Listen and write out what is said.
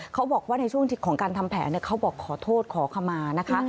เขาบอกว่าในช่วงของการทำแผนเขาบอกขอโทษขอขมานะคะ